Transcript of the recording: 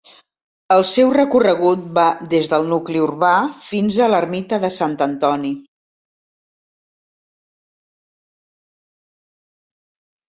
El seu recorregut va des del nucli urbà fins a l'ermita de Sant Antoni.